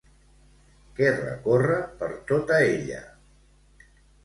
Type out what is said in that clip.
Què recorre per tota ella?